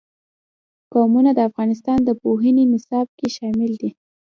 قومونه د افغانستان د پوهنې نصاب کې شامل دي.